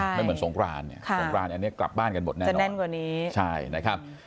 ไม่เหมือนทรงกรานทรงกรานอันนี้กลับบ้านกันหมดจะแน่นกว่านี้